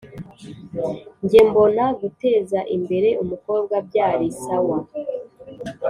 Nge mbona guteza imbere umukobwa byarisawa